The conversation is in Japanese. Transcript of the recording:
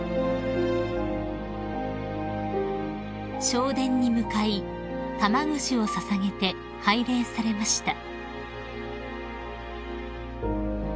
［正殿に向かい玉串を捧げて拝礼されました］